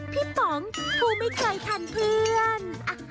ป๋องกูไม่เคยทันเพื่อน